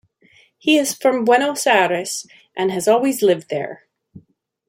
He is from Buenos Aires and has always lived there.